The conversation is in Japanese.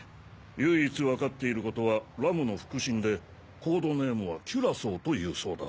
唯一分かっていることはラムの腹心でコードネームはキュラソーというそうだ。